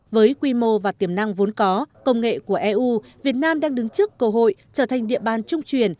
với quy mô và tiềm năng vốn có công nghệ của eu việt nam đang đứng trước cơ hội trở thành địa bàn trung truyền